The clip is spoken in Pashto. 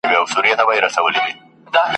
د مرګي د کوهي لاره مو اخیستې `